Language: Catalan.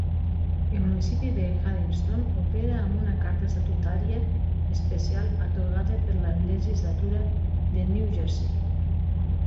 El municipi de Hardyston opera amb una carta estatutària especial atorgada per la legislatura de New Jersey.